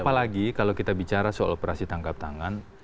apalagi kalau kita bicara soal operasi tangkap tangan